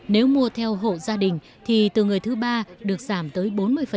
nếu mua theo hộ gia đình thì từ người thứ ba được giảm tới bốn mươi